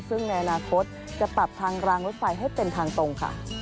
ซึ่งในอนาคตจะปรับทางรางรถไฟให้เป็นทางตรงค่ะ